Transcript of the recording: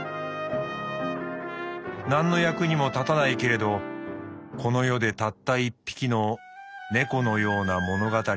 「なんの役にも立たないけれどこの世でたった一匹の猫のような物語を書きたいものだ。